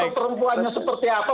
atau perempuannya seperti apa